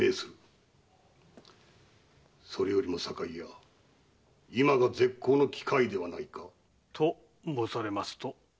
それよりも堺屋今が絶好の機会ではないか。と申されますと？